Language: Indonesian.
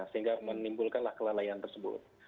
sehingga menimbulkanlah kelelahan tersebut